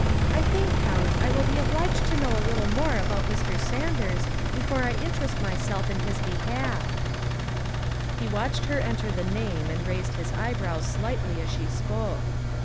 I think, Count, I will be obliged to know a little more about Mr. Sanders before I interest myself in his behalf." 8 114 THE WIFE OF He watched her enter the name and raised his eye brows slightly as she spoke.